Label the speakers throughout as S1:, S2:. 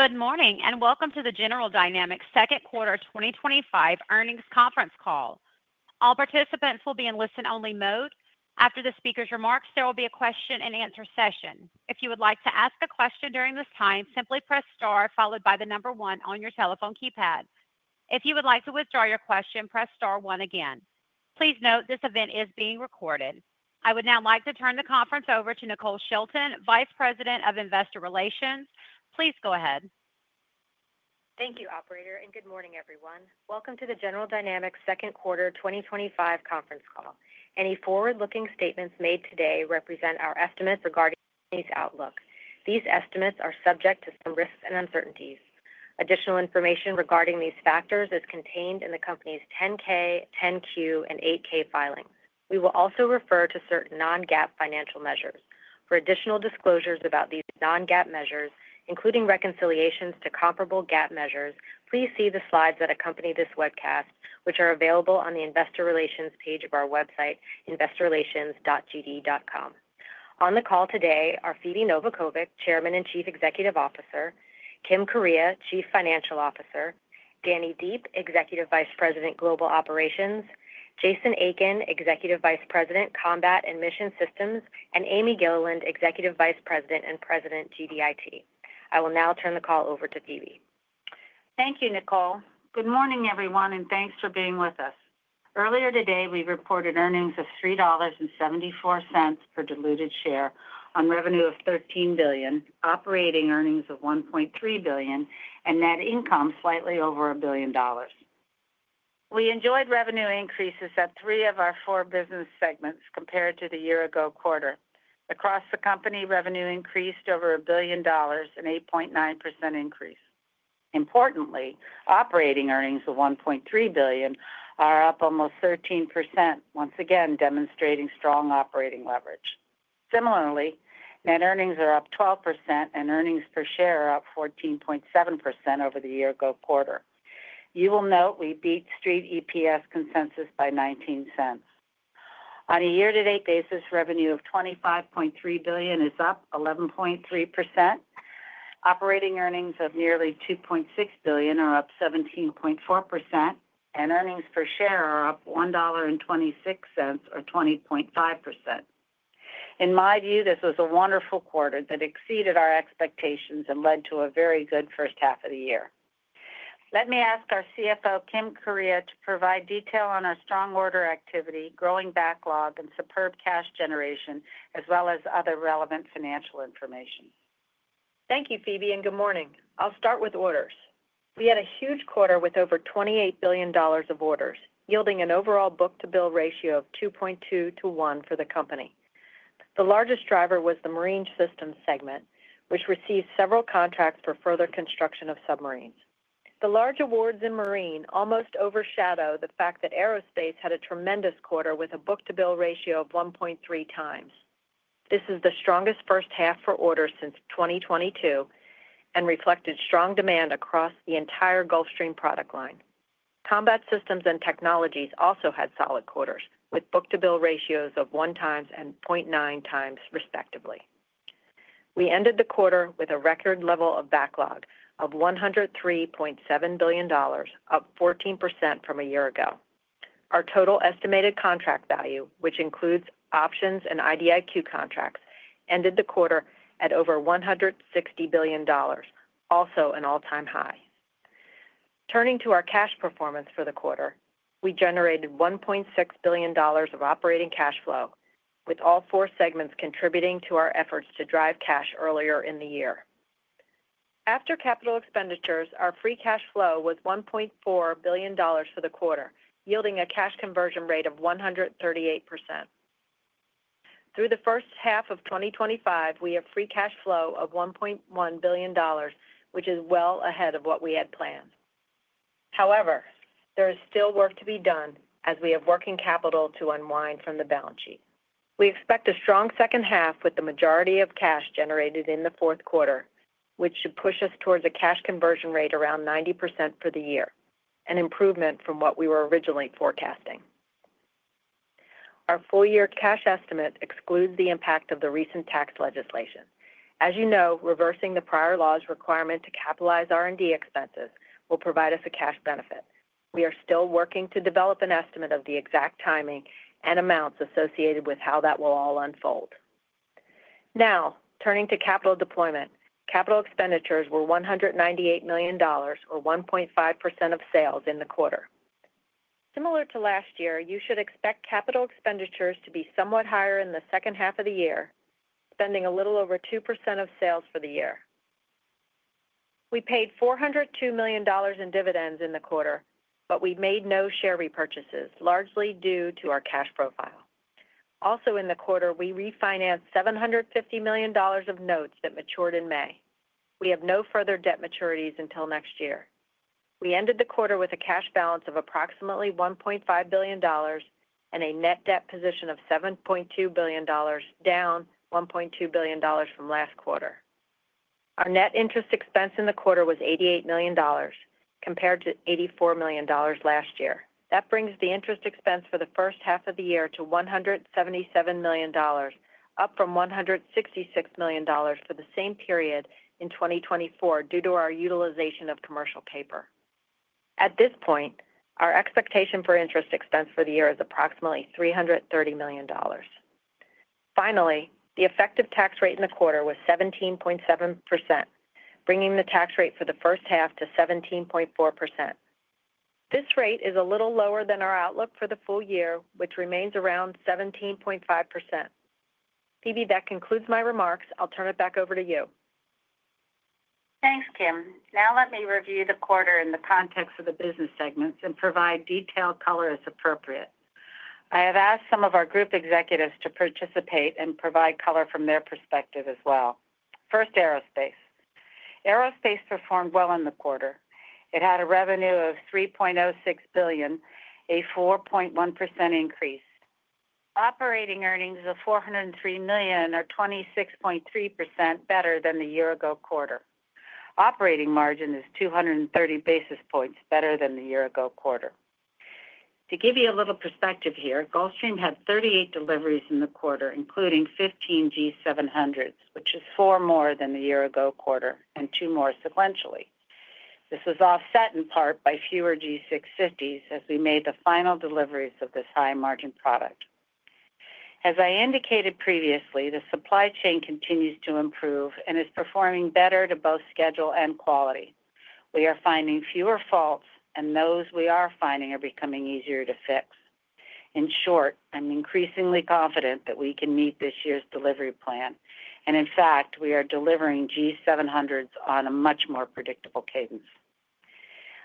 S1: Good morning and welcome to the General Dynamics Second Quarter 2025 Earnings Conference Call. All participants will be in listen-only mode. After the speaker's remarks, there will be a question-and-answer session. If you would like to ask a question during this time, simply press star followed by the number one on your telephone keypad. If you would like to withdraw your question, press star one again. Please note this event is being recorded. I would now like to turn the conference over to Nicole Shelton, Vice President of Investor Relations. Please go ahead.
S2: Thank you, Operator, and good morning, everyone. Welcome to the General Dynamics Second Quarter 2025 Conference Call. Any forward-looking statements made today represent our estimates regarding today's outlook. These estimates are subject to some risks and uncertainties. Additional information regarding these factors is contained in the company's 10-K, 10-Q, and 8-K filings. We will also refer to certain non-GAAP financial measures. For additional disclosures about these non-GAAP measures, including reconciliations to comparable GAAP measures, please see the slides that accompany this webcast, which are available on the Investor Relations page of our website, investorrelations.gd.com. On the call today are Phebe Novakovic, Chairman and Chief Executive Officer; Kim Kuryea, Chief Financial Officer; Danny Deep, Executive Vice President, Global Operations; Jason Aiken, Executive Vice President, Combat and Mission Systems; and Amy Gilliland, Executive Vice President and President, GDIT. I will now turn the call over to Phebe.
S3: Thank you, Nicole. Good morning, everyone, and thanks for being with us. Earlier today, we reported earnings of $3.74 per diluted share on revenue of $13 billion, operating earnings of $1.3 billion, and net income slightly over $1 billion. We enjoyed revenue increases at three of our four business segments compared to the year-ago quarter. Across the company, revenue increased over $1 billion, an 8.9% increase. Importantly, operating earnings of $1.3 billion are up almost 13%, once again demonstrating strong operating leverage. Similarly, net earnings are up 12%, and earnings per share are up 14.7% over the year-ago quarter. You will note we beat street EPS consensus by $0.19. On a year-to-date basis, revenue of $25.3 billion is up 11.3%. Operating earnings of nearly $2.6 billion are up 17.4%, and earnings per share are up $1.26, or 20.5%. In my view, this was a wonderful quarter that exceeded our expectations and led to a very good first half of the year. Let me ask our CFO, Kim Kuryea, to provide detail on our strong order activity, growing backlog, and superb cash generation, as well as other relevant financial information.
S4: Thank you, Phebe, and good morning. I'll start with orders. We had a huge quarter with over $28 billion of orders, yielding an overall book-to-bill ratio of 2.2 to 1 for the company. The largest driver was the marine systems segment, which received several contracts for further construction of submarines. The large awards in marine almost overshadow the fact that aerospace had a tremendous quarter with a book-to-bill ratio of 1.3x. This is the strongest first half for orders since 2022 and reflected strong demand across the entire Gulfstream product line. Combat systems and technologies also had solid quarters with book-to-bill ratios of 1x and 0.9x, respectively. We ended the quarter with a record level of backlog of $103.7 billion, up 14% from a year ago. Our total estimated contract value, which includes options and IDIQ contracts, ended the quarter at over $160 billion, also an all-time high. Turning to our cash performance for the quarter, we generated $1.6 billion of operating cash flow, with all four segments contributing to our efforts to drive cash earlier in the year. After capital expenditures, our free cash flow was $1.4 billion for the quarter, yielding a cash conversion rate of 138%. Through the first half of 2025, we have free cash flow of $1.1 billion, which is well ahead of what we had planned. However, there is still work to be done as we have working capital to unwind from the balance sheet. We expect a strong second half with the majority of cash generated in the fourth quarter, which should push us towards a cash conversion rate around 90% for the year, an improvement from what we were originally forecasting. Our full-year cash estimate excludes the impact of the recent tax legislation. As you know, reversing the prior law's requirement to capitalize R&D expenses will provide us a cash benefit. We are still working to develop an estimate of the exact timing and amounts associated with how that will all unfold. Now, turning to capital deployment, capital expenditures were $198 million, or 1.5% of sales, in the quarter. Similar to last year, you should expect capital expenditures to be somewhat higher in the second half of the year, spending a little over 2% of sales for the year. We paid $402 million in dividends in the quarter, but we made no share repurchases, largely due to our cash profile. Also, in the quarter, we refinanced $750 million of notes that matured in May. We have no further debt maturities until next year. We ended the quarter with a cash balance of approximately $1.5 billion and a net debt position of $7.2 billion, down $1.2 billion from last quarter. Our net interest expense in the quarter was $88 million, compared to $84 million last year. That brings the interest expense for the first half of the year to $177 million, up from $166 million for the same period in 2024 due to our utilization of commercial paper. At this point, our expectation for interest expense for the year is approximately $330 million. Finally, the effective tax rate in the quarter was 17.7%, bringing the tax rate for the first half to 17.4%. This rate is a little lower than our outlook for the full year, which remains around 17.5%. Phebe, that concludes my remarks. I'll turn it back over to you.
S3: Thanks, Kim. Now, let me review the quarter in the context of the business segments and provide detailed color as appropriate. I have asked some of our group executives to participate and provide color from their perspective as well. First, aerospace. Aerospace performed well in the quarter. It had a revenue of $3.06 billion, a 4.1% increase. Operating earnings of $403 million, or 26.3%, better than the year-ago quarter. Operating margin is 230 basis points, better than the year-ago quarter. To give you a little perspective here, Gulfstream had 38 deliveries in the quarter, including 15 G700s, which is four more than the year-ago quarter and two more sequentially. This was offset in part by fewer G650s as we made the final deliveries of this high-margin product. As I indicated previously, the supply chain continues to improve and is performing better to both schedule and quality. We are finding fewer faults, and those we are finding are becoming easier to fix. In short, I'm increasingly confident that we can meet this year's delivery plan, and in fact, we are delivering G700s on a much more predictable cadence.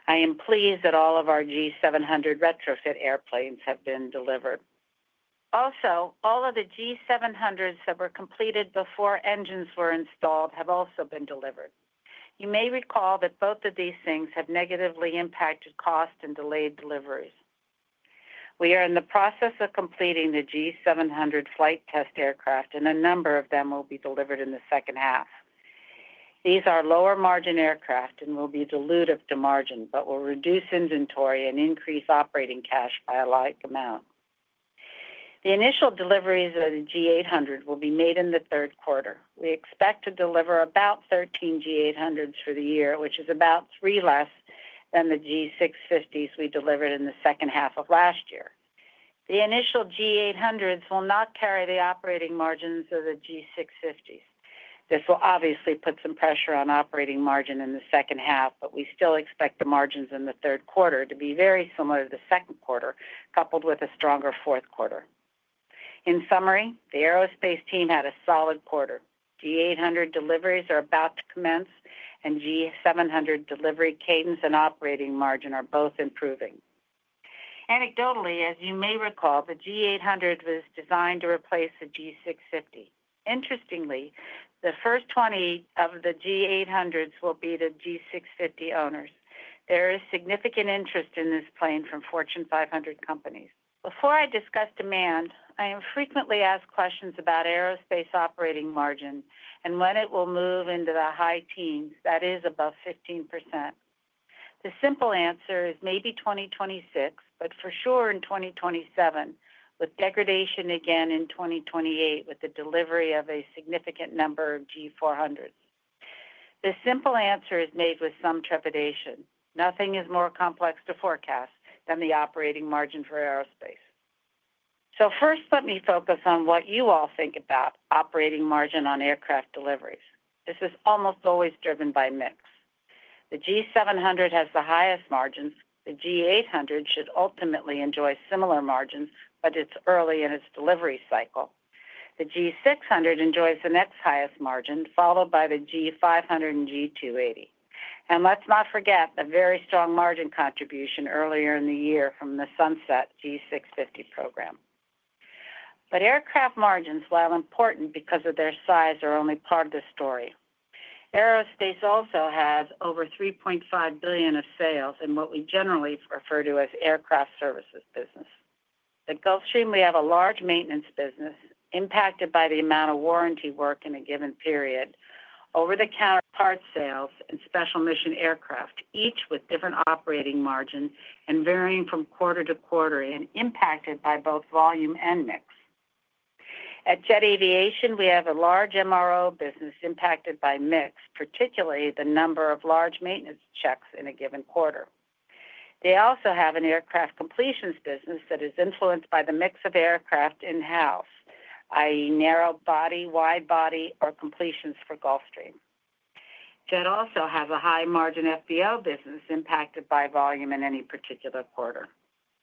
S3: I am pleased that all of our G700 retrofit airplanes have been delivered. Also, all of the G700s that were completed before engines were installed have also been delivered. You may recall that both of these things have negatively impacted cost and delayed deliveries. We are in the process of completing the G700 flight test aircraft, and a number of them will be delivered in the second half. These are lower-margin aircraft and will be diluted to margin, but will reduce inventory and increase operating cash by a large amount. The initial deliveries of the G800 will be made in the third quarter. We expect to deliver about 13 G800s for the year, which is about three less than the G650s we delivered in the second half of last year. The initial G800s will not carry the operating margins of the G650s. This will obviously put some pressure on operating margin in the second half, but we still expect the margins in the third quarter to be very similar to the second quarter, coupled with a stronger fourth quarter. In summary, the aerospace team had a solid quarter. G800 deliveries are about to commence, and G700 delivery cadence and operating margin are both improving. Anecdotally, as you may recall, the G800 was designed to replace the G650. Interestingly, the first 20 of the G800s will be the G650 owners. There is significant interest in this plane from Fortune 500 companies. Before I discuss demand, I am frequently asked questions about aerospace operating margin and when it will move into the high teens, that is, above 15%. The simple answer is maybe 2026, but for sure in 2027, with degradation again in 2028 with the delivery of a significant number of G400s. The simple answer is made with some trepidation. Nothing is more complex to forecast than the operating margin for aerospace. First, let me focus on what you all think about operating margin on aircraft deliveries. This is almost always driven by mix. The G700 has the highest margins. The G800 should ultimately enjoy similar margins, but it is early in its delivery cycle. The G600 enjoys the next highest margin, followed by the G500 and G280. Let us not forget the very strong margin contribution earlier in the year from the Sunset G650 program. Aircraft margins, while important because of their size, are only part of the story. Aerospace also has over $3.5 billion of sales in what we generally refer to as aircraft services business. At Gulfstream, we have a large maintenance business impacted by the amount of warranty work in a given period. Over-the-counter part sales and special mission aircraft, each with different operating margins and varying from quarter-to-quarter, are impacted by both volume and mix. At Jet Aviation, we have a large MRO business impacted by mix, particularly the number of large maintenance checks in a given quarter. They also have an aircraft completions business that is influenced by the mix of aircraft in-house, i.e., narrow body, wide body, or completions for Gulfstream. Jet also has a high-margin FBO business impacted by volume in any particular quarter.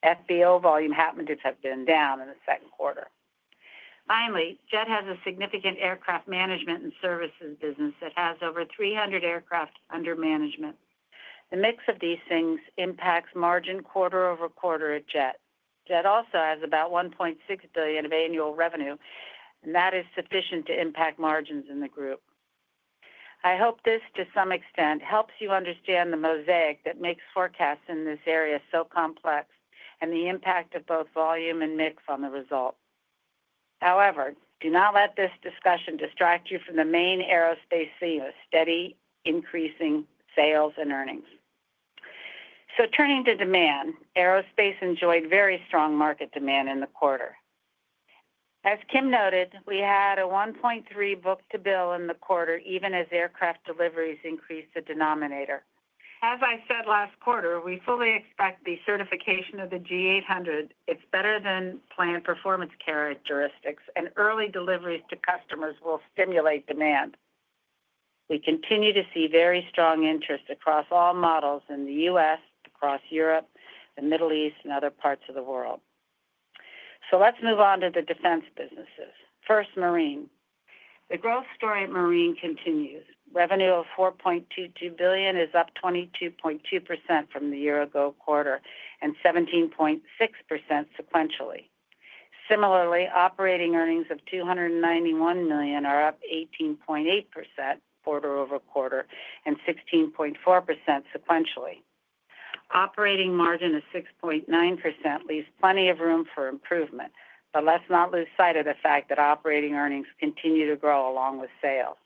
S3: FBO volume, happiness, have been down in the second quarter. Finally, Jet has a significant aircraft management and services business that has over 300 aircraft under management. The mix of these things impacts margin quarter-over-quarter at Jet. Jet also has about $1.6 billion of annual revenue, and that is sufficient to impact margins in the group. I hope this, to some extent, helps you understand the mosaic that makes forecasts in this area so complex and the impact of both volume and mix on the result. However, do not let this discussion distract you from the main aerospace theme, a steady increasing sales and earnings. Turning to demand, aerospace enjoyed very strong market demand in the quarter. As Kim noted, we had a 1.3 book-to-bill in the quarter, even as aircraft deliveries increased the denominator. As I said last quarter, we fully expect the certification of the G800. Its better than planned performance characteristics and early deliveries to customers will stimulate demand. We continue to see very strong interest across all models in the U.S., across Europe, the Middle East, and other parts of the world. Let us move on to the defense businesses. First, marine. The growth story at marine continues. Revenue of $4.22 billion is up 22.2% from the year-ago quarter and 17.6% sequentially. Similarly, operating earnings of $291 million are up 18.8% quarter-over-quarter and 16.4% sequentially. Operating margin of 6.9% leaves plenty of room for improvement, but let us not lose sight of the fact that operating earnings continue to grow along with sales.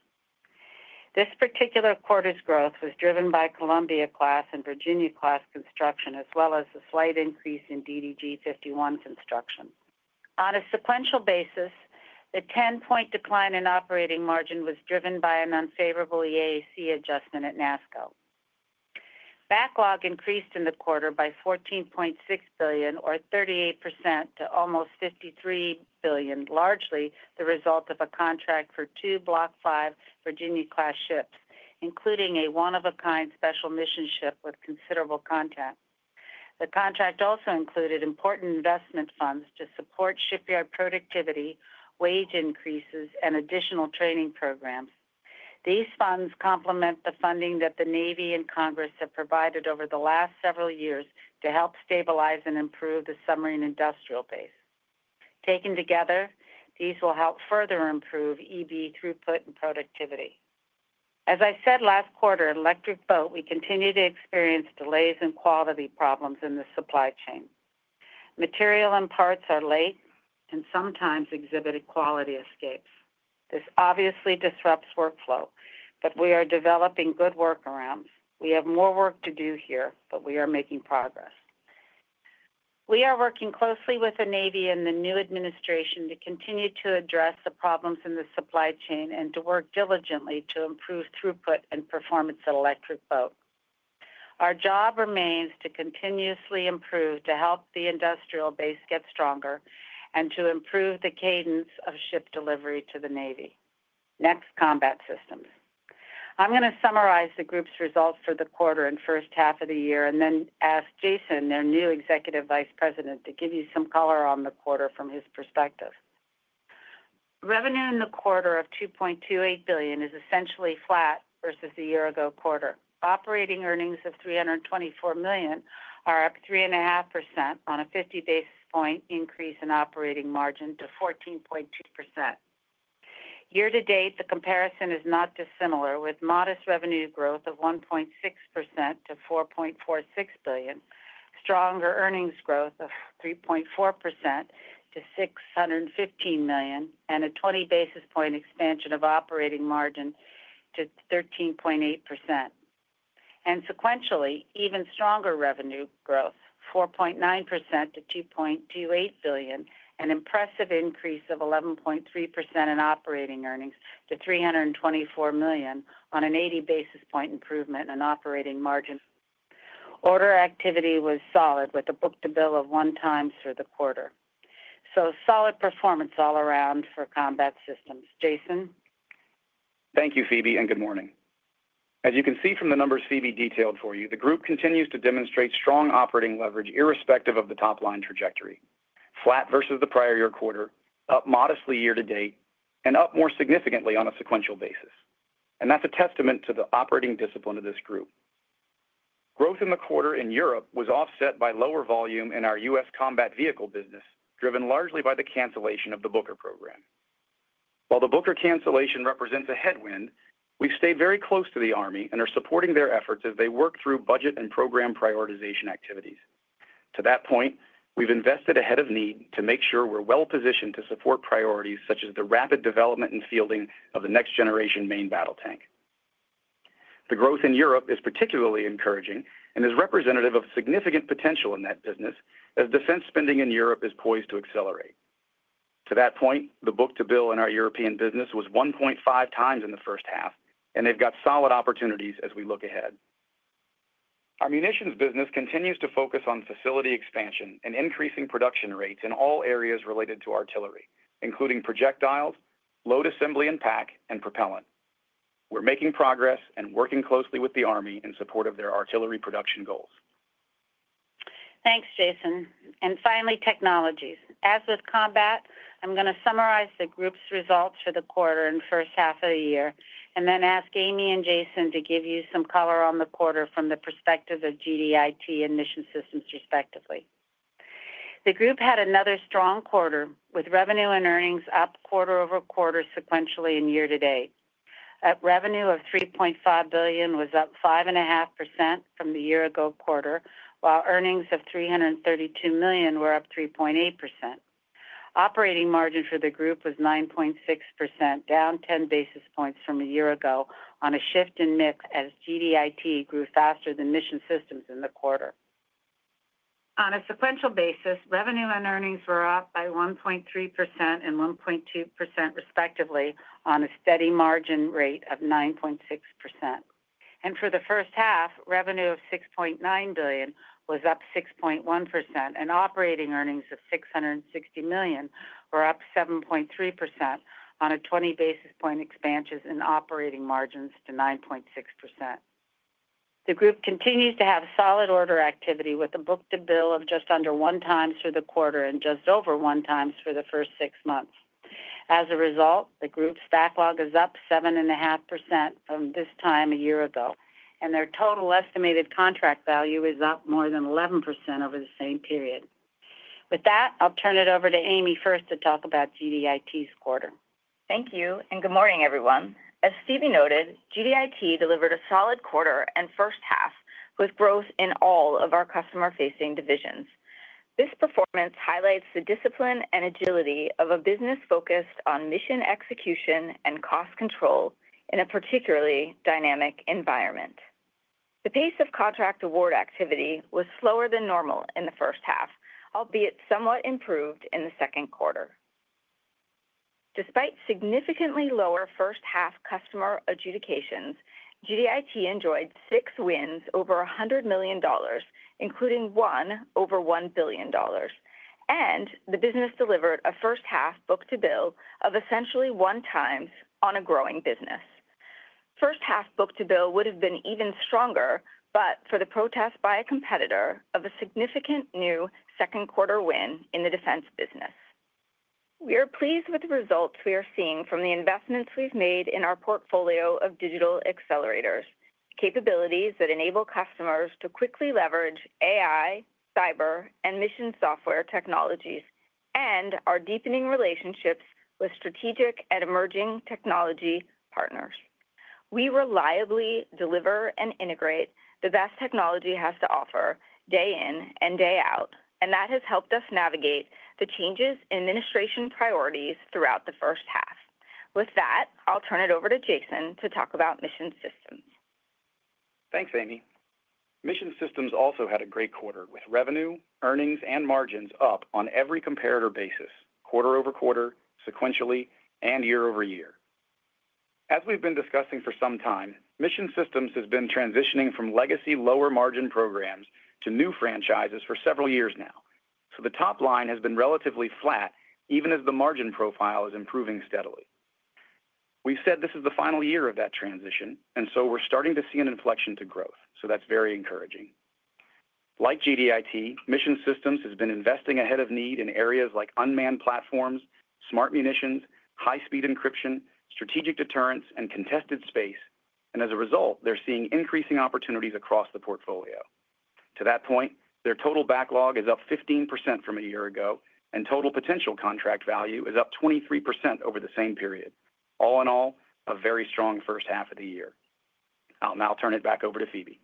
S3: This particular quarter's growth was driven by Columbia-class and Virginia-class construction, as well as a slight increase in DDG-51 construction. On a sequential basis, the 10-point decline in operating margin was driven by an unfavorable EAC adjustment at NASSCO. Backlog increased in the quarter by $14.6 billion, or 38%, to almost $53 billion, largely the result of a contract for two Block 5 Virginia-class ships, including a one-of-a-kind special mission ship with considerable content. The contract also included important investment funds to support shipyard productivity, wage increases, and additional training programs. These funds complement the funding that the Navy and Congress have provided over the last several years to help stabilize and improve the submarine industrial base. Taken together, these will help further improve EB throughput and productivity. As I said last quarter, Electric Boat, we continue to experience delays and quality problems in the supply chain. Material and parts are late and sometimes exhibit quality escapes. This obviously disrupts workflow, but we are developing good workarounds. We have more work to do here, but we are making progress. We are working closely with the Navy and the new administration to continue to address the problems in the supply chain and to work diligently to improve throughput and performance of Electric Boat. Our job remains to continuously improve to help the industrial base get stronger and to improve the cadence of ship delivery to the Navy. Next, combat systems. I'm going to summarize the group's results for the quarter and first half of the year and then ask Jason, their new Executive Vice President, to give you some color on the quarter from his perspective. Revenue in the quarter of $2.28 billion is essentially flat versus the year-ago quarter. Operating earnings of $324 million are up 3.5% on a 50 basis point increase in operating margin to 14.2%. Year-to-date, the comparison is not dissimilar, with modest revenue growth of 1.6% to $4.46 billion, stronger earnings growth of 3.4% to $615 million, and a 20 basis point expansion of operating margin to 13.8%. Sequentially, even stronger revenue growth, 4.9% to $2.28 billion, and impressive increase of 11.3% in operating earnings to $324 million on an 80 basis point improvement in operating margin. Order activity was solid with a book-to-bill of 1x for the quarter. Solid performance all around for combat systems. Jason?
S5: Thank you, Phebe, and good morning. As you can see from the numbers Phebe detailed for you, the group continues to demonstrate strong operating leverage irrespective of the top-line trajectory: flat versus the prior year quarter, up modestly year-to-date, and up more significantly on a sequential basis. That is a testament to the operating discipline of this group. Growth in the quarter in Europe was offset by lower volume in our U.S. combat vehicle business, driven largely by the cancellation of the Booker program. While the Booker cancellation represents a headwind, we have stayed very close to the Army and are supporting their efforts as they work through budget and program prioritization activities. To that point, we have invested ahead of need to make sure we are well-positioned to support priorities such as the rapid development and fielding of the next-generation main battle tank. The growth in Europe is particularly encouraging and is representative of significant potential in that business as defense spending in Europe is poised to accelerate. To that point, the book-to-bill in our European business was 1.5x in the first half, and they have got solid opportunities as we look ahead. Our munitions business continues to focus on facility expansion and increasing production rates in all areas related to artillery, including projectiles, load assembly and pack, and propellant. We are making progress and working closely with the Army in support of their artillery production goals.
S3: Thanks, Jason. Finally, technologies. As with combat, I'm going to summarize the group's results for the quarter and first half of the year and then ask Amy and Jason to give you some color on the quarter from the perspective of GDIT and mission systems respectively. The group had another strong quarter with revenue and earnings up quarter over quarter sequentially and year-to-date. Revenue of $3.5 billion was up 5.5% from the year-ago quarter, while earnings of $332 million were up 3.8%. Operating margin for the group was 9.6%, down 10 basis points from a year ago on a shift in mix as GDIT grew faster than mission systems in the quarter. On a sequential basis, revenue and earnings were up by 1.3% and 1.2% respectively on a steady margin rate of 9.6%. For the first half, revenue of $6.9 billion was up 6.1%, and operating earnings of $660 million were up 7.3% on a 20 basis point expansion in operating margins to 9.6%. The group continues to have solid order activity with a book-to-bill of just under one times for the quarter and just over one times for the first six months. As a result, the group's backlog is up 7.5% from this time a year ago, and their total estimated contract value is up more than 11% over the same period. With that, I'll turn it over to Amy first to talk about GDIT's quarter.
S6: Thank you and good morning, everyone. As Phebe noted, GDIT delivered a solid quarter and first half with growth in all of our customer-facing divisions. This performance highlights the discipline and agility of a business focused on mission execution and cost control in a particularly dynamic environment. The pace of contract award activity was slower than normal in the first half, albeit somewhat improved in the second quarter. Despite significantly lower first-half customer adjudications, GDIT enjoyed six wins over $100 million, including one over $1 billion. The business delivered a first-half book-to-bill of essentially 1x on a growing business. First-half book-to-bill would have been even stronger, but for the protest by a competitor of a significant new second-quarter win in the defense business. We are pleased with the results we are seeing from the investments we've made in our portfolio of digital accelerators, capabilities that enable customers to quickly leverage AI, cyber, and mission software technologies, and our deepening relationships with strategic and emerging technology partners. We reliably deliver and integrate the best technology has to offer day in and day out, and that has helped us navigate the changes in administration priorities throughout the first half. With that, I'll turn it over to Jason to talk about mission systems.
S5: Thanks, Amy. Mission systems also had a great quarter with revenue, earnings, and margins up on every comparator basis, quarter-over-quarter, sequentially, and year-over-year. As we've been discussing for some time, mission systems has been transitioning from legacy lower margin programs to new franchises for several years now. The top line has been relatively flat, even as the margin profile is improving steadily. We've said this is the final year of that transition, and we are starting to see an inflection to growth. That is very encouraging. Like GDIT, mission systems has been investing ahead of need in areas like unmanned platforms, smart munitions, high-speed encryption, strategic deterrence, and contested space. As a result, they are seeing increasing opportunities across the portfolio. To that point, their total backlog is up 15% from a year ago, and total potential contract value is up 23% over the same period. All in all, a very strong first half of the year. I'll now turn it back over to Phebe.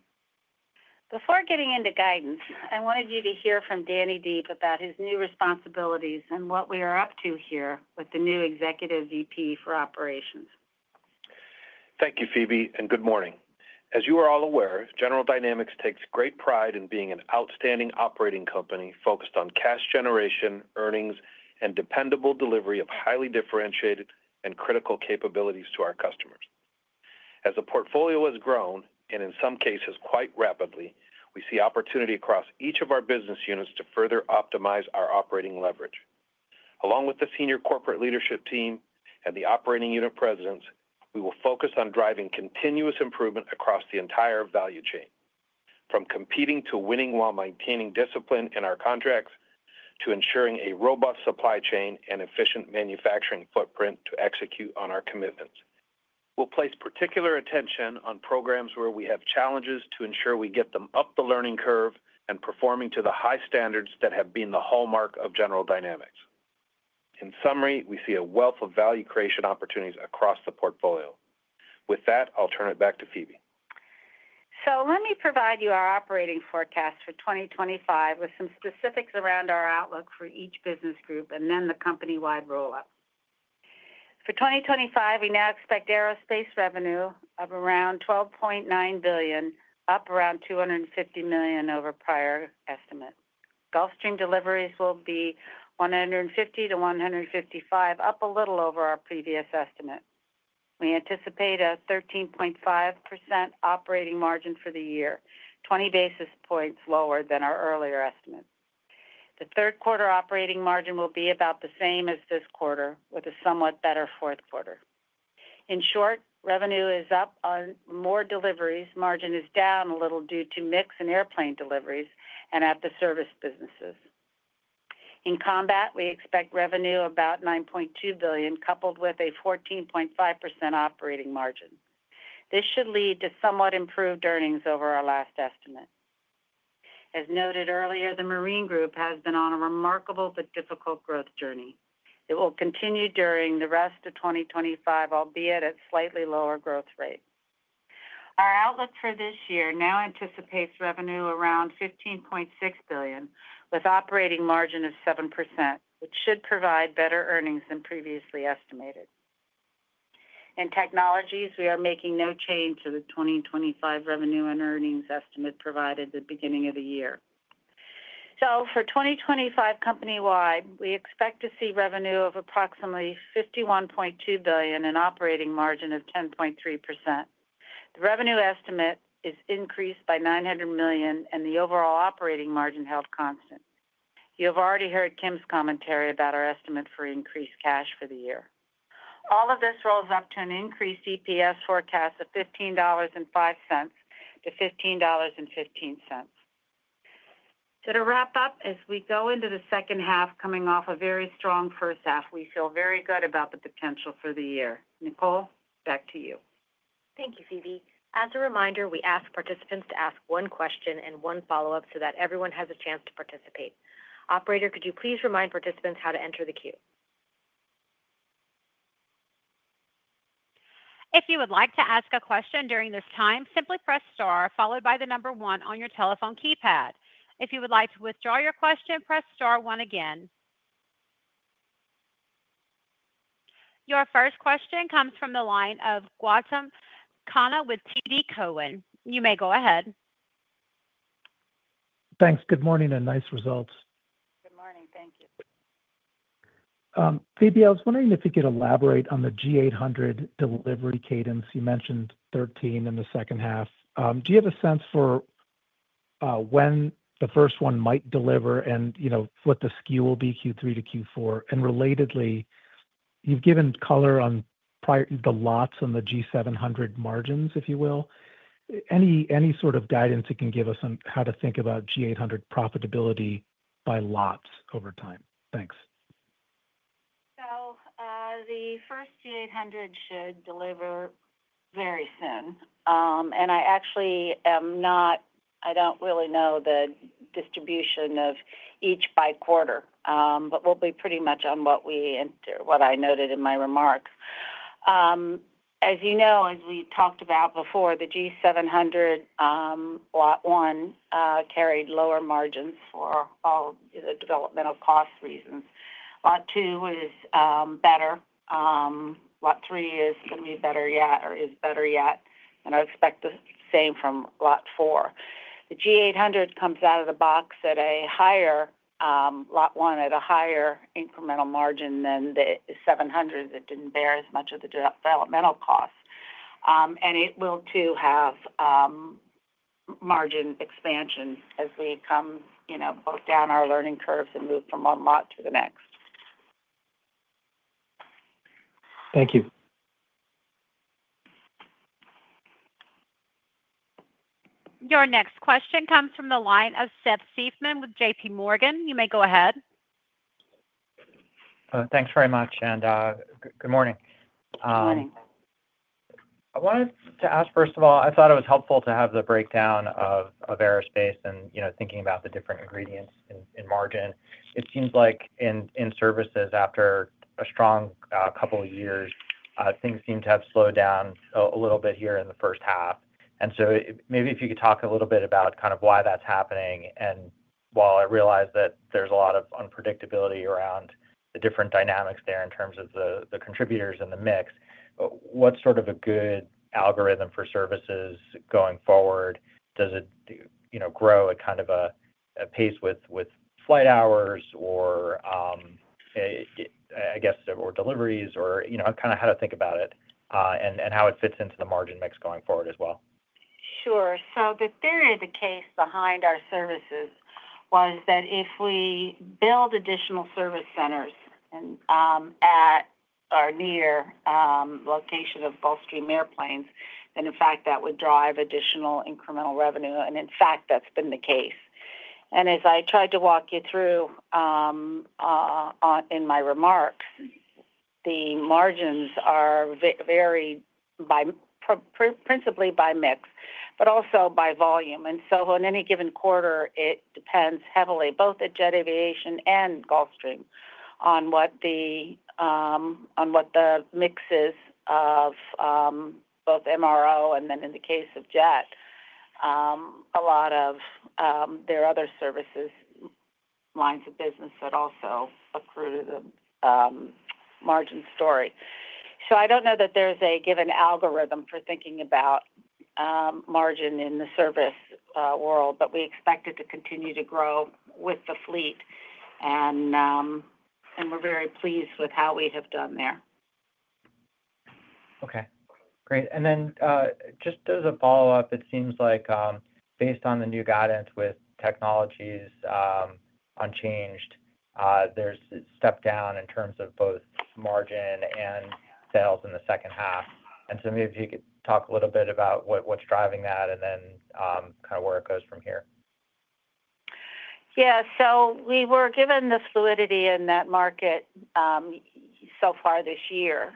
S3: Before getting into guidance, I wanted you to hear from Danny Deep about his new responsibilities and what we are up to here with the new Executive VP for Operations.
S7: Thank you, Phebe, and good morning. As you are all aware, General Dynamics takes great pride in being an outstanding operating company focused on cash generation, earnings, and dependable delivery of highly differentiated and critical capabilities to our customers. As the portfolio has grown, and in some cases quite rapidly, we see opportunity across each of our business units to further optimize our operating leverage. Along with the senior corporate leadership team and the operating unit presidents, we will focus on driving continuous improvement across the entire value chain, from competing to winning while maintaining discipline in our contracts to ensuring a robust supply chain and efficient manufacturing footprint to execute on our commitments. We'll place particular attention on programs where we have challenges to ensure we get them up the learning curve and performing to the high standards that have been the hallmark of General Dynamics. In summary, we see a wealth of value creation opportunities across the portfolio. With that, I'll turn it back to Phebe.
S3: Let me provide you our operating forecast for 2025 with some specifics around our outlook for each business group and then the company-wide roll-up. For 2025, we now expect aerospace revenue of around $12.9 billion, up around $250 million over prior estimate. Gulfstream deliveries will be 150-155, up a little over our previous estimate. We anticipate a 13.5% operating margin for the year, 20 basis points lower than our earlier estimate. The third quarter operating margin will be about the same as this quarter, with a somewhat better fourth quarter. In short, revenue is up on more deliveries. Margin is down a little due to mix and airplane deliveries and at the service businesses. In combat, we expect revenue about $9.2 billion, coupled with a 14.5% operating margin. This should lead to somewhat improved earnings over our last estimate. As noted earlier, the Marine Group has been on a remarkable but difficult growth journey. It will continue during the rest of 2025, albeit at slightly lower growth rate. Our outlook for this year now anticipates revenue around $15.6 billion, with operating margin of 7%, which should provide better earnings than previously estimated. In technologies, we are making no change to the 2025 revenue and earnings estimate provided at the beginning of the year. For 2025, company-wide, we expect to see revenue of approximately $51.2 billion and an operating margin of 10.3%. The revenue estimate is increased by $900 million, and the overall operating margin held constant. You have already heard Kim's commentary about our estimate for increased cash for the year. All of this rolls up to an increased EPS forecast of $15.05-$15.15. To wrap up, as we go into the second half, coming off a very strong first half, we feel very good about the potential for the year. Nicole, back to you.
S2: Thank you, Phebe. As a reminder, we ask participants to ask one question and one follow-up so that everyone has a chance to participate. Operator, could you please remind participants how to enter the queue?
S1: If you would like to ask a question during this time, simply press star followed by the number one on your telephone keypad. If you would like to withdraw your question, press star one again. Your first question comes from the line of Gautam Khanna with Cowen. You may go ahead.
S8: Thanks. Good morning and nice results.
S3: Good morning. Thank you.
S8: Phebe, I was wondering if you could elaborate on the G800 delivery cadence. You mentioned 13 in the second half. Do you have a sense for when the first one might deliver and what the skew will be Q3 to Q4? Relatedly, you've given color on the lots and the G700 margins, if you will. Any sort of guidance you can give us on how to think about G800 profitability by lots over time? Thanks.
S3: The first G800 should deliver very soon. I actually am not—I do not really know the distribution of each by quarter, but we will be pretty much on what I noted in my remarks. As you know, as we talked about before, the G700. Lot one carried lower margins for all the developmental cost reasons. Lot two is better. Lot three is going to be better yet or is better yet. I expect the same from lot four. The G800 comes out of the box at a higher—lot one at a higher incremental margin than the G700 that did not bear as much of the developmental cost. It will too have margin expansion as we come both down our learning curves and move from one lot to the next.
S8: Thank you.
S1: Your next question comes from the line of Seth Seifman with JPMorgan. You may go ahead.
S9: Thanks very much. Good morning.
S3: Good morning.
S9: I wanted to ask, first of all, I thought it was helpful to have the breakdown of aerospace and thinking about the different ingredients in margin. It seems like in services, after a strong couple of years, things seem to have slowed down a little bit here in the first half. Maybe if you could talk a little bit about kind of why that's happening. While I realize that there's a lot of unpredictability around the different dynamics there in terms of the contributors and the mix, what's sort of a good algorithm for services going forward? Does it grow at kind of a pace with flight hours or, I guess, or deliveries or kind of how to think about it and how it fits into the margin mix going forward as well?
S3: Sure. The theory of the case behind our services was that if we build additional service centers at or near the location of Gulfstream airplanes, then, in fact, that would drive additional incremental revenue. In fact, that's been the case. As I tried to walk you through in my remarks, the margins are varied principally by mix, but also by volume. In any given quarter, it depends heavily, both at Jet Aviation and Gulfstream, on what the mix is of both MRO and then, in the case of Jet, a lot of other services. Lines of business also accrue to the margin story. I do not know that there's a given algorithm for thinking about margin in the service world, but we expect it to continue to grow with the fleet. We are very pleased with how we have done there.
S9: Okay. Great. And then just as a follow-up, it seems like based on the new guidance with technologies. Unchanged, there's step down in terms of both margin and sales in the second half. And so maybe if you could talk a little bit about what's driving that and then kind of where it goes from here.
S3: Yeah. So we were given the fluidity in that market. So far this year.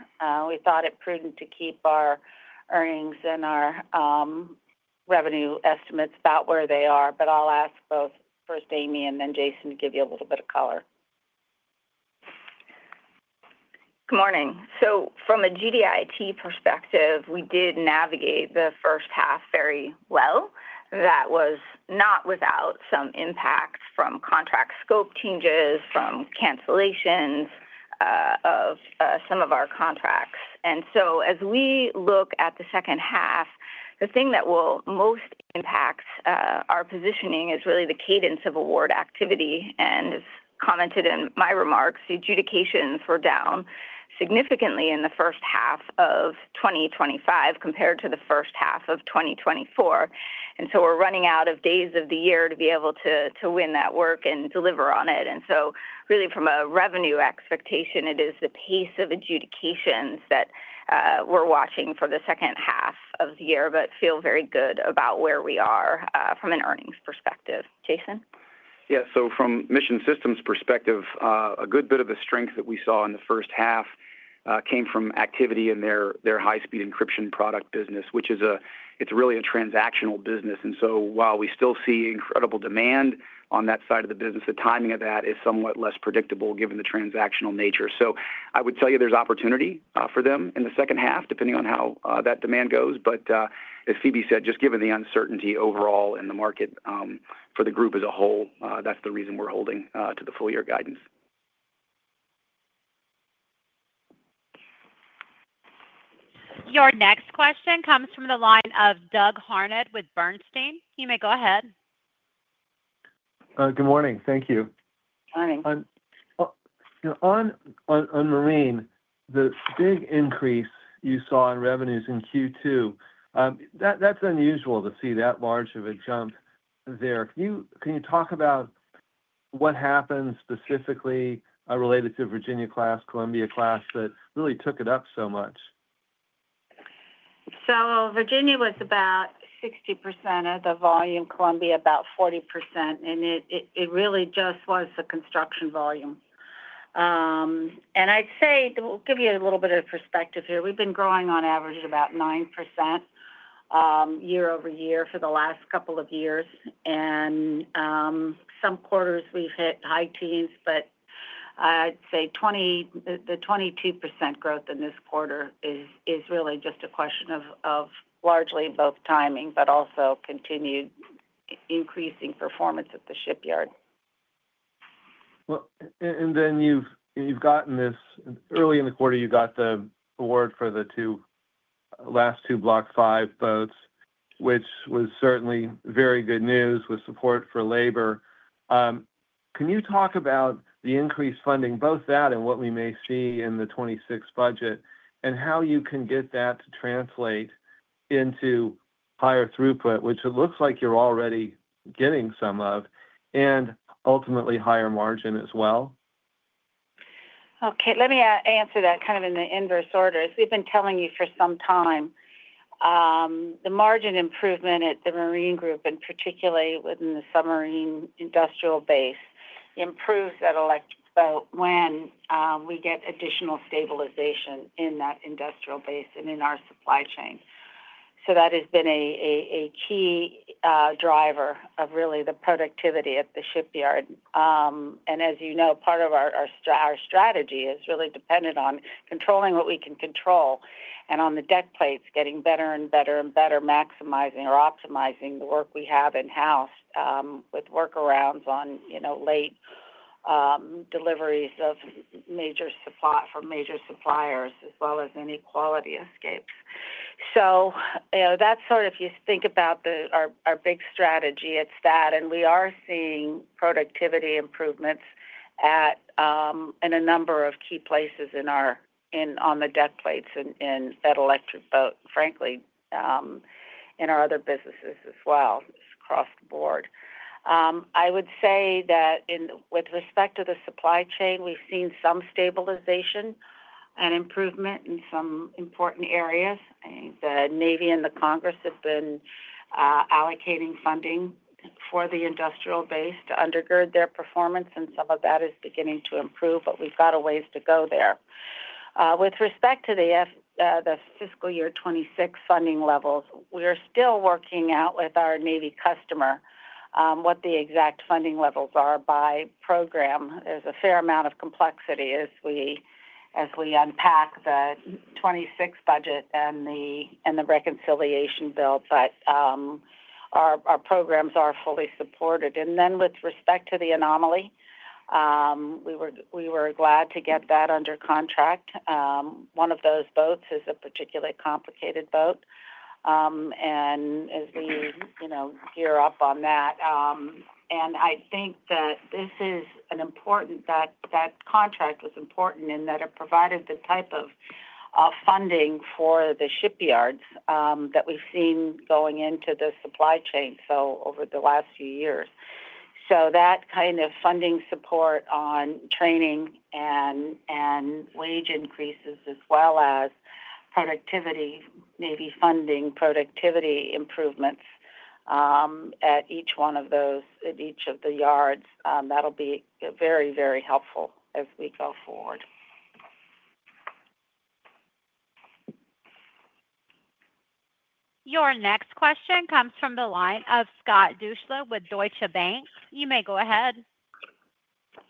S3: We thought it prudent to keep our earnings and our revenue estimates about where they are. But I'll ask both first, Amy, and then Jason to give you a little bit of color.
S6: Good morning. From a GDIT perspective, we did navigate the first half very well. That was not without some impact from contract scope changes, from cancellations of some of our contracts. As we look at the second half, the thing that will most impact our positioning is really the cadence of award activity. As commented in my remarks, adjudications were down significantly in the first half of 2025 compared to the first half of 2024. We are running out of days of the year to be able to win that work and deliver on it. From a revenue expectation, it is the pace of adjudications that we are watching for the second half of the year. I feel very good about where we are from an earnings perspective. Jason?
S5: Yeah. From a mission systems perspective, a good bit of the strength that we saw in the first half came from activity in their high-speed encryption product business, which is a—it's really a transactional business. While we still see incredible demand on that side of the business, the timing of that is somewhat less predictable given the transactional nature. I would tell you there's opportunity for them in the second half, depending on how that demand goes. As Phebe said, just given the uncertainty overall in the market for the group as a whole, that's the reason we're holding to the full year guidance.
S1: Your next question comes from the line of Doug Harned with Bernstein. You may go ahead.
S10: Good morning. Thank you.
S3: Morning.
S10: On marine, the big increase you saw in revenues in Q2. That's unusual to see that large of a jump there. Can you talk about what happened specifically related to Virginia class, Columbia class that really took it up so much?
S3: Virginia was about 60% of the volume, Columbia about 40%. It really just was the construction volume. I'd say we'll give you a little bit of perspective here. We've been growing on average about 9% year over year for the last couple of years. Some quarters we've hit high teens, but I'd say the 22% growth in this quarter is really just a question of largely both timing, but also continued increasing performance at the shipyard.
S10: You have gotten this early in the quarter, you got the award for the last two Block 5 boats, which was certainly very good news with support for labor. Can you talk about the increased funding, both that and what we may see in the 2026 budget, and how you can get that to translate into higher throughput, which it looks like you're already getting some of, and ultimately higher margin as well?
S3: Okay. Let me answer that kind of in the inverse order. As we've been telling you for some time, the margin improvement at the Marine Group, and particularly within the submarine industrial base, improves at Electric Boat when we get additional stabilization in that industrial base and in our supply chain. That has been a key driver of really the productivity at the shipyard. As you know, part of our strategy is really dependent on controlling what we can control and on the deck plates, getting better and better and better, maximizing or optimizing the work we have in-house with workarounds on late deliveries from major suppliers, as well as any quality escapes. If you think about our big strategy, it's that. We are seeing productivity improvements in a number of key places on the deck plates and at Electric Boat, frankly. In our other businesses as well. It's across the board. I would say that with respect to the supply chain, we've seen some stabilization and improvement in some important areas. The Navy and the Congress have been allocating funding for the industrial base to undergird their performance, and some of that is beginning to improve, but we've got a ways to go there. With respect to the fiscal year 2026 funding levels, we're still working out with our Navy customer what the exact funding levels are by program. There's a fair amount of complexity as we unpack the 2026 budget and the reconciliation bill, but our programs are fully supported. With respect to the anomaly, we were glad to get that under contract. One of those boats is a particularly complicated boat. As we gear up on that, I think that this is important—that contract was important in that it provided the type of funding for the shipyards that we've seen going into the supply chain over the last few years. That kind of funding support on training and wage increases as well as productivity, Navy funding, productivity improvements at each one of those, at each of the yards, that'll be very, very helpful as we go forward.
S1: Your next question comes from the line of Scott Deuschle with Deutsche Bank. You may go ahead.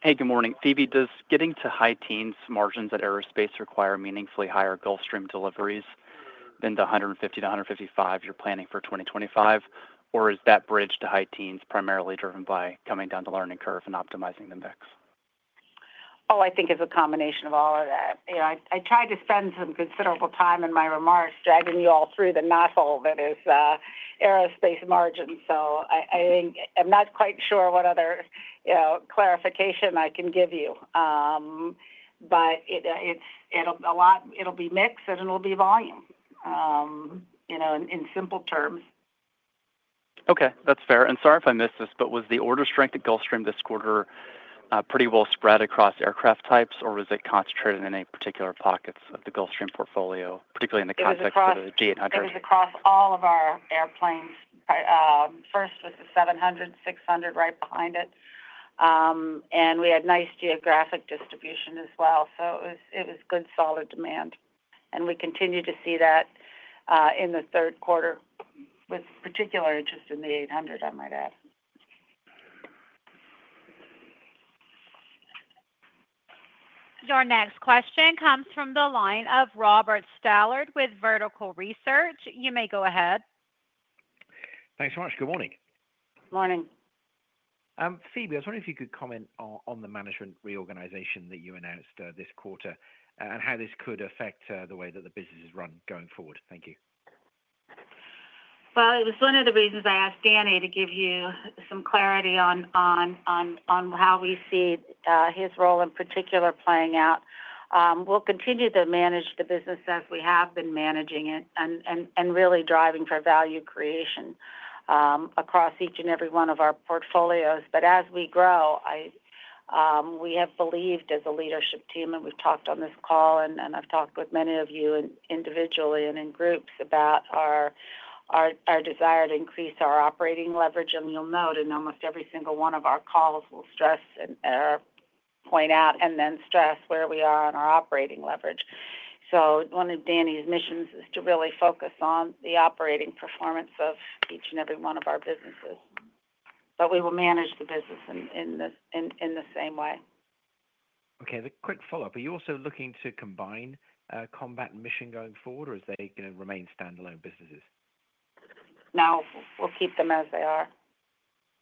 S11: Hey, good morning. Phebe, does getting to high teens margins at aerospace require meaningfully higher Gulfstream deliveries than the 150-155 you're planning for 2025? Or is that bridge to high teens primarily driven by coming down the learning curve and optimizing the mix?
S3: Oh, I think it's a combination of all of that. I tried to spend some considerable time in my remarks driving you all through the knot hole that is aerospace margin. I'm not quite sure what other clarification I can give you. It will be mixed and it will be volume. In simple terms.
S11: Okay. That's fair. Sorry if I missed this, but was the order strength at Gulfstream this quarter pretty well spread across aircraft types, or was it concentrated in any particular pockets of the Gulfstream portfolio, particularly in the context of the G800?
S3: It was across all of our airplanes. First was the G700, G600 right behind it. We had nice geographic distribution as well. It was good solid demand. We continue to see that in the third quarter with particular interest in the G800, I might add.
S1: Your next question comes from the line of Robert Stallard with VERTICAL RESEARCH. You may go ahead.
S12: Thanks so much. Good morning.
S3: Good morning.
S12: Phebe, I was wondering if you could comment on the management reorganization that you announced this quarter and how this could affect the way that the business is run going forward. Thank you.
S3: It was one of the reasons I asked Danny to give you some clarity on how we see his role in particular playing out. We'll continue to manage the business as we have been managing it and really driving for value creation across each and every one of our portfolios. As we grow, we have believed as a leadership team, and we've talked on this call, and I've talked with many of you individually and in groups about our desired increase in our operating leverage. You'll note in almost every single one of our calls, we stress and point out and then stress where we are on our operating leverage. One of Danny's missions is to really focus on the operating performance of each and every one of our businesses. We will manage the business in the same way.
S12: Okay. Quick follow-up. Are you also looking to combine combat and mission going forward, or are they going to remain standalone businesses?
S3: No, we'll keep them as they are.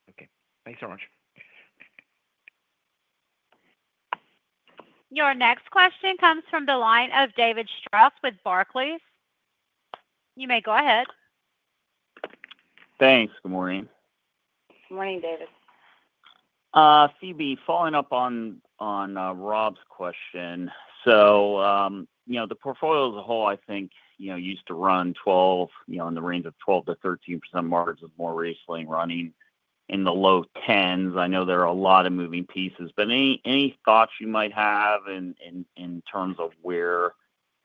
S12: Okay. Thanks so much.
S1: Your next question comes from the line of David Strauss with Barclays. You may go ahead.
S13: Thanks. Good morning.
S3: Good morning, David.
S13: Phebe, following up on Rob's question. The portfolio as a whole, I think, used to run in the range of 12%-13% margins, more recently running in the low 10s. I know there are a lot of moving pieces. Any thoughts you might have in terms of where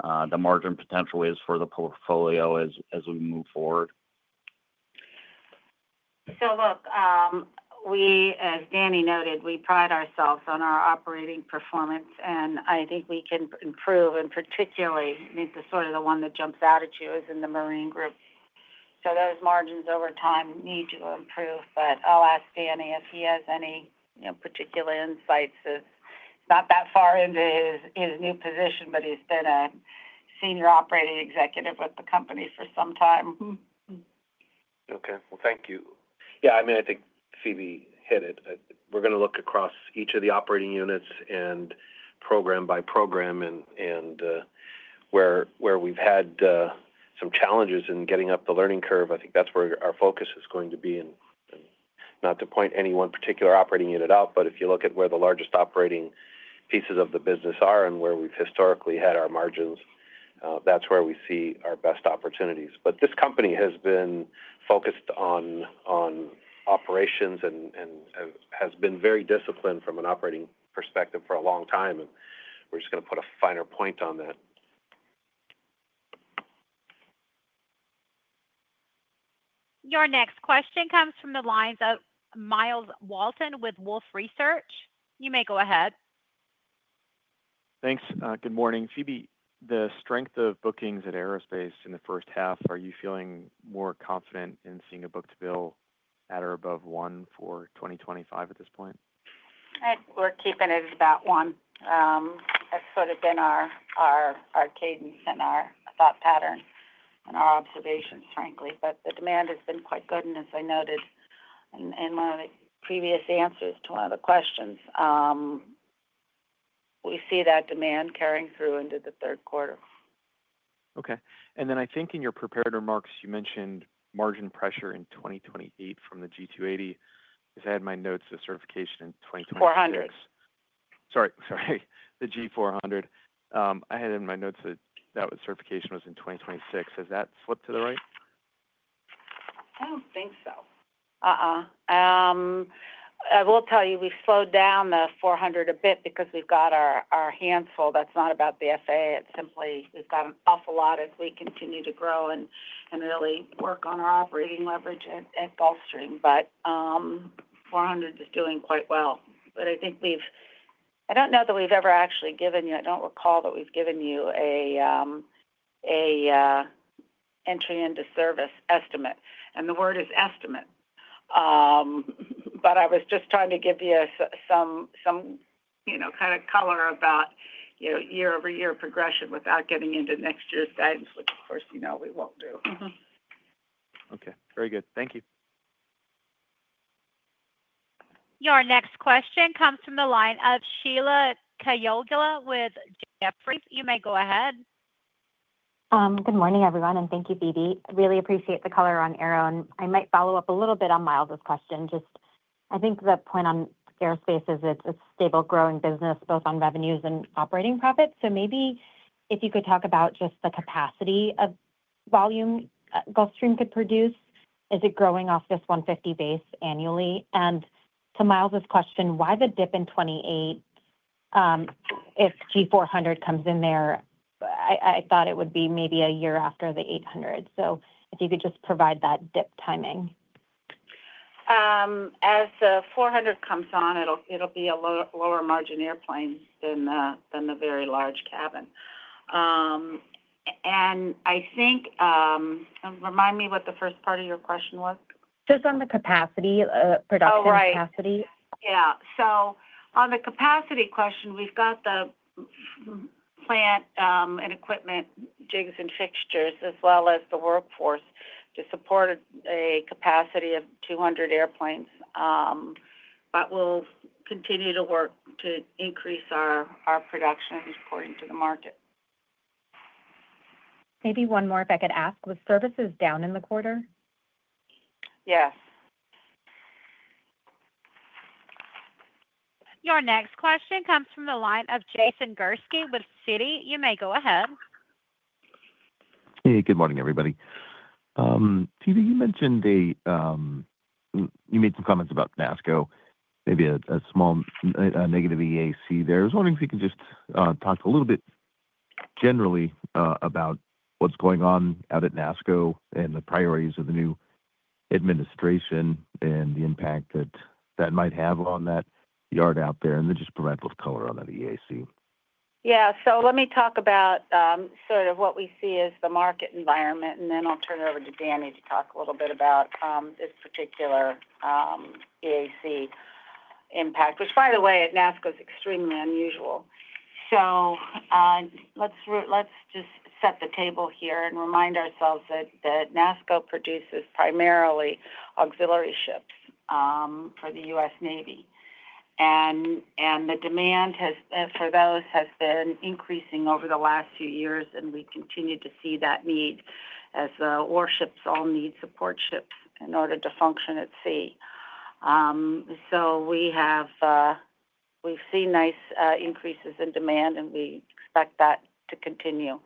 S13: the margin potential is for the portfolio as we move forward?
S3: Look. As Danny noted, we pride ourselves on our operating performance, and I think we can improve. Particularly, sort of the one that jumps out at you is in the Marine Group. Those margins over time need to improve. I'll ask Danny if he has any particular insights. He's not that far into his new position, but he's been a senior operating executive with the company for some time.
S13: Okay. Thank you.
S7: Yeah. I mean, I think Phebe hit it. We're going to look across each of the operating units and program by program. Where we've had some challenges in getting up the learning curve, I think that's where our focus is going to be. Not to point any one particular operating unit out, but if you look at where the largest operating pieces of the business are and where we've historically had our margins, that's where we see our best opportunities. This company has been focused on operations and has been very disciplined from an operating perspective for a long time. We're just going to put a finer point on that.
S1: Your next question comes from the lines of Myles Walton with Wolfe Research. You may go ahead.
S14: Thanks. Good morning. Phebe, the strength of bookings at aerospace in the first half, are you feeling more confident in seeing a book-to-bill at or above one for 2025 at this point?
S3: We're keeping it at about one That's sort of been our cadence and our thought pattern and our observations, frankly. The demand has been quite good, and as I noted in one of the previous answers to one of the questions, we see that demand carrying through into the third quarter.
S14: Okay. And then I think in your prepared remarks, you mentioned margin pressure in 2028 from the G280. Because I had my notes of certification in 2026.
S3: G400.
S9: Sorry. Sorry. The G400. I had in my notes that that certification was in 2026. Has that slipped to the right?
S3: I don't think so. Uh-uh. I will tell you, we've slowed down the G400 a bit because we've got our hands full. That's not about the FAA. It's simply we've got an awful lot as we continue to grow and really work on our operating leverage at Gulfstream. The G400 is doing quite well. I think we've—I don't know that we've ever actually given you—I don't recall that we've given you an entry into service estimate. The word is estimate. I was just trying to give you some kind of color about year-over-year progression without getting into next year's guidance, which, of course, you know we won't do.
S14: Okay. Very good. Thank you.
S1: Your next question comes from the line of Sheila Kahyaoglu with Jefferies. You may go ahead.
S15: Good morning, everyone. Thank you, Phebe. I really appreciate the color on Aero. I might follow up a little bit on Myles's question. I think the point on aerospace is it's a stable, growing business, both on revenues and operating profits. Maybe if you could talk about just the capacity of volume Gulfstream could produce, is it growing off this 150 base annually? To Myles's question, why the dip in 2028? If G400 comes in there, I thought it would be maybe a year after the G800. If you could just provide that dip timing.
S3: As the G400 comes on, it'll be a lower margin airplane than the very large cabin. I think— Remind me what the first part of your question was?
S15: Just on the capacity, production capacity.
S3: Oh, right. Yeah. On the capacity question, we've got the plant and equipment, jigs, and fixtures, as well as the workforce to support a capacity of G200 airplanes. We'll continue to work to increase our production according to the market.
S15: Maybe one more if I could ask. Was services down in the quarter?
S3: Yes.
S1: Your next question comes from the line of Jason Gursky with Citi. You may go ahead.
S16: Hey, good morning, everybody. Phebe, you mentioned— You made some comments about NASSCO. Maybe a small negative EAC there. I was wondering if you could just talk a little bit generally about what's going on out at NASSCO and the priorities of the new administration and the impact that that might have on that yard out there. And then just provide a little color on that EAC.
S3: Yeah. So let me talk about sort of what we see as the market environment. Then I'll turn it over to Danny to talk a little bit about this particular EAC impact, which, by the way, at NASSCO is extremely unusual. Let's just set the table here and remind ourselves that NASSCO produces primarily auxiliary ships for the U.S. Navy. The demand for those has been increasing over the last few years, and we continue to see that need as warships all need support ships in order to function at sea. We've seen nice increases in demand, and we expect that to continue.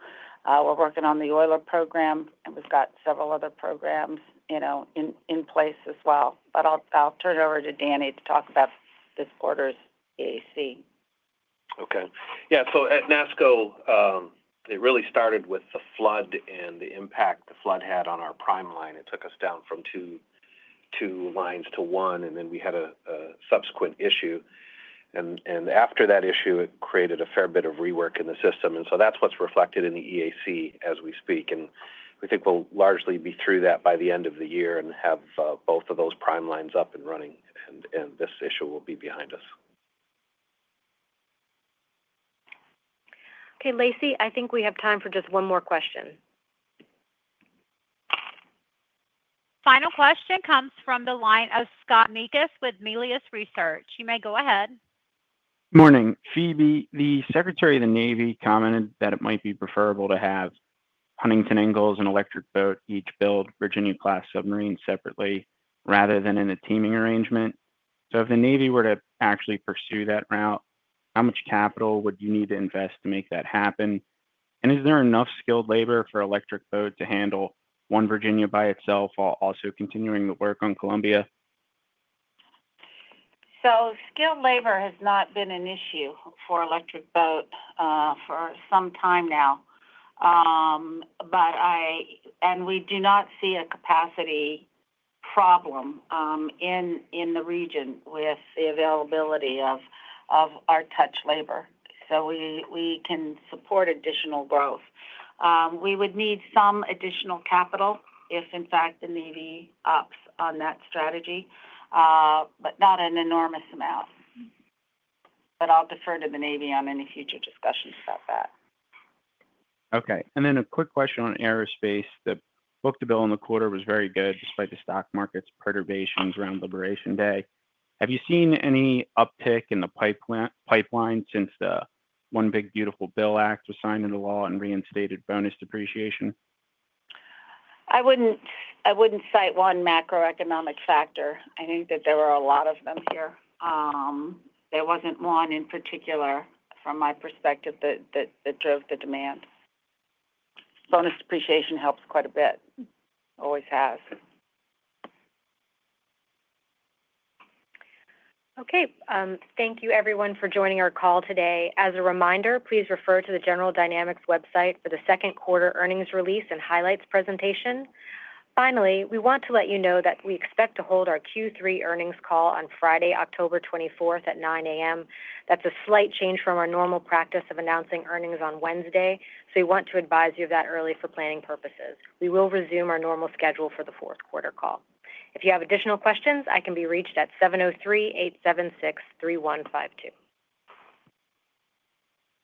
S3: We're working on the Oiler program, and we've got several other programs in place as well. I'll turn it over to Danny to talk about this quarter's EAC.
S16: Okay. Yeah. At NASSCO, it really started with the flood and the impact the flood had on our prime line. It took us down from two lines to one, and then we had a subsequent issue. After that issue, it created a fair bit of rework in the system. That is what is reflected in the EAC as we speak. We think we will largely be through that by the end of the year and have both of those prime lines up and running, and this issue will be behind us.
S3: Okay, Lacey, I think we have time for just one more question.
S1: Final question comes from the line of Scott Mikus with Melius Research. You may go ahead.
S17: Morning. Phebe, the Secretary of the Navy commented that it might be preferable to have Huntington Ingalls and Electric Boat each build Virginia-class submarines separately rather than in a teaming arrangement. If the Navy were to actually pursue that route, how much capital would you need to invest to make that happen? Is there enough skilled labor for Electric Boat to handle one Virginia by itself while also continuing to work on Columbia?
S3: Skilled labor has not been an issue for Electric Boat for some time now. We do not see a capacity problem in the region with the availability of our touch labor. We can support additional growth. We would need some additional capital if, in fact, the Navy opts on that strategy, but not an enormous amount. I will defer to the Navy on any future discussions about that.
S17: Okay. And then a quick question on aerospace. The book-to-bill in the quarter was very good despite the stock market's perturbations around Liberation Day. Have you seen any uptick in the pipeline since the One Big Beautiful Bill Act was signed into law and reinstated bonus depreciation?
S3: I wouldn't cite one macroeconomic factor. I think that there were a lot of them here. There wasn't one in particular. From my perspective that drove the demand. Bonus depreciation helps quite a bit. Always has. Okay. Thank you, everyone, for joining our call today. As a reminder, please refer to the General Dynamics website for the Second Quarter Earnings Release and Highlights presentation. Finally, we want to let you know that we expect to hold our Q3 Earnings Call on Friday, October 24th, at 9:00 A.M. That's a slight change from our normal practice of announcing earnings on Wednesday, so we want to advise you of that early for planning purposes. We will resume our normal schedule for the fourth quarter call. If you have additional questions, I can be reached at 703-876-3152.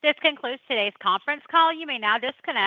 S1: This concludes today's conference call. You may now disconnect.